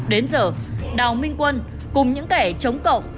đến giờ đào minh quân cùng những kẻ chống cộng